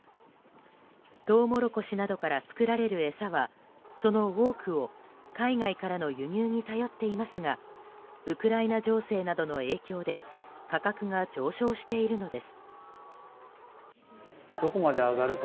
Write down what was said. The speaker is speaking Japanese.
トウモロコシなどから作られる餌はその多くを海外からの輸入に頼っていますがウクライナ情勢などの影響で価格が上昇しているのです。